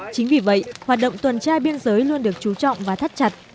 chính vì vậy hoạt động tuần trai biên giới luôn được chú trọng và thắt chặt